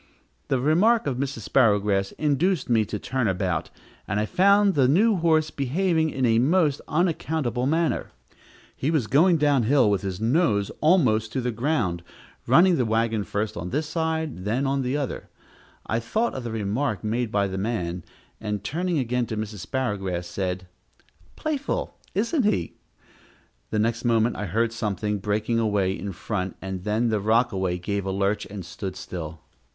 The remark of Mrs. Sparrowgrass induced me to turn about, and I found the new horse behaving in a most unaccountable manner. He was going down hill with his nose almost to the ground, running the wagon first on this side and then on the other. I thought of the remark made by the man, and turning again to Mrs. Sparrowgrass, said, "Playful, isn't he?" The next moment I heard something breaking away in front, and then the rockaway gave a lurch and stood still.